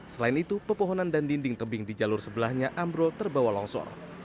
selain itu pepohonan dan dinding tebing di jalur sebelahnya ambrol terbawa longsor